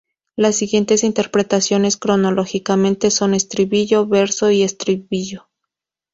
Las siguientes interpretaciones, cronológicamente, son estribillo, verso y estribillo.